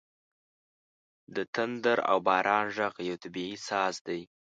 • د تندر او باران ږغ یو طبیعي ساز دی.